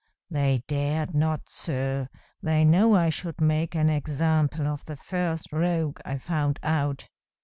They dared not, sir; they know I should make an example of the first rogue I found out."